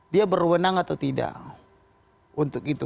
dia berwenang atau tidak untuk itu